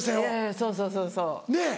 そうそうそうそう。ねぇ。